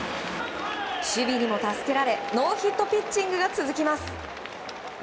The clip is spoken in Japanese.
守備にも助けられノーヒットピッチングが続きます。